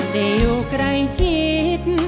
ได้อยู่ใกล้ชิด